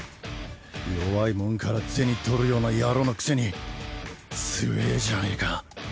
弱いもんから銭取るような野郎のくせに強ぇじゃねえか！